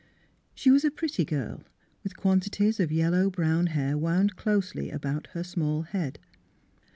She was a pretty girl, with quanti ties of yellow brown hair wound closely about her small head.